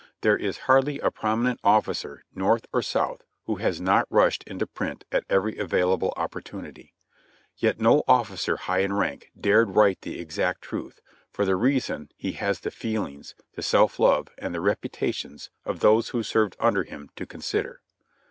There is hardly a prominent officer North or South who has not rushed into print at eveiy available opportunity; yet no officer high in rank dared write the exact truth, for the reason he has the feelings, the self love and the reputations of those who served under him to con sider.